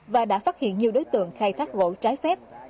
và đã phát hiện nhiều đối tượng khai thác gỗ trái phép